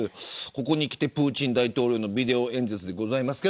ここにきてプーチン大統領のビデオ演説です。